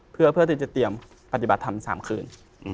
เพื่อที่จะเตรียมปฏิบัติธรรม๓คืน